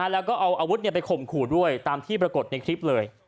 แล้วก็เอาอาวุธไปข่มขู่ด้วยตามที่ปรากฏในคลิปเลย